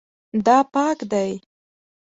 دا پاک دی